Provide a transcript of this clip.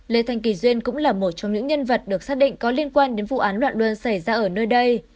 lê thanh kỳ duyên cũng là một trong những nhân vật được xác định có liên quan đến vụ án loạn luân xảy ra ở nơi đây